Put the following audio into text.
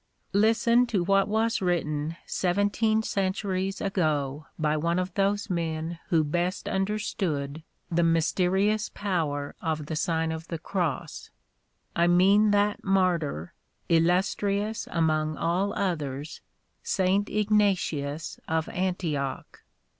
Listen to what was written seventeen cen turies ago by one of those men who best understood the mysterious power of the Sign of the Cross. I mean that martyr, illustrious among all others, St. Ignatius, of Antioch.